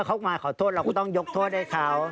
เขามาขอโทษเราก็ต้องยกโทษให้เขา